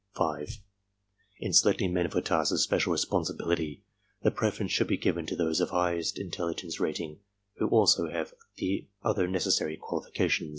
5. In selecting men for tasks of special responsibility the preference should be given to those of highest intelligence rating METHODS AND RESULTS 25 who also have the other necessary qualifications.